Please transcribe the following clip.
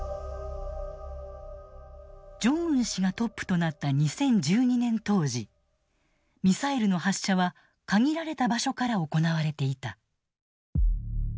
ジョンウン氏がトップとなった２０１２年当時ミサイルの発射は限られた場所から行われていた。